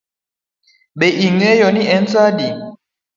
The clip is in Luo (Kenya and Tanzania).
Be ing'eyo ni en saa adi?